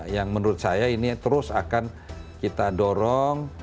yang menurut saya ini terus akan kita dorong